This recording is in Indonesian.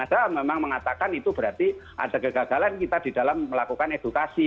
ada memang mengatakan itu berarti ada kegagalan kita di dalam melakukan edukasi